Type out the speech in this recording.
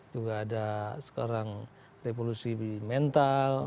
juga ada sekarang revolusi mental